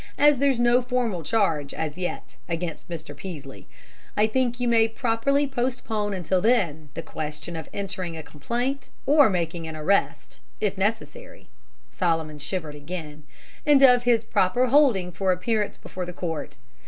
As there's no formal charge as yet against Mr. Peaslee, I think you may properly postpone until then the question of entering a complaint or making an arrest, if necessary," Solomon shivered again, "and of his proper holding for appearance before the court.